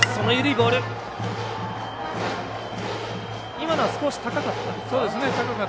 今のは少し高かったですか？